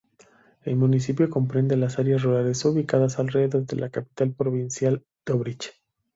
El municipio comprende las áreas rurales ubicadas alrededor de la capital provincial Dobrich.